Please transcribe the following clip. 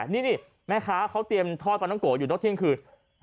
นี่ดิแม่ค้าเขาเตรียมทอดปลาน้องโกะอยู่เนอะเที่ยงคืน